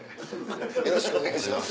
よろしくお願いします。